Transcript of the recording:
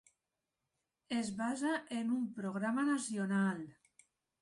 Es basa en un programa nacional.